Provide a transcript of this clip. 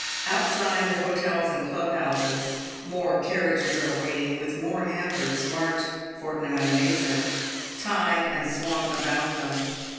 Outside the hotels and club houses more carriages are waiting, with more hampers, marked " Fortnum and Mason," tied and swung about them.